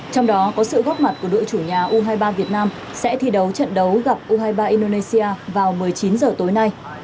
trong đó có sự góp mặt của đội chủ nhà u hai mươi ba việt nam sẽ thi đấu trận đấu gặp u hai mươi ba indonesia vào một mươi chín h tối nay